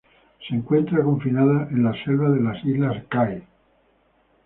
Se encuentra confinado en las selvas de las islas Kai.